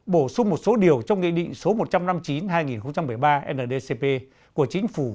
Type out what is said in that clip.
bổ sung một số điều trong nghị định số một trăm năm mươi chín hai nghìn một mươi ba ndcp của chính phủ